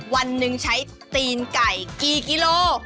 วันหนึ่งใช้ตีนไก่กี่กิโล